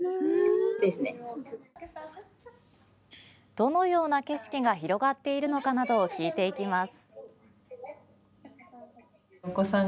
どのような景色が広がっているのかなどを聞いていきます。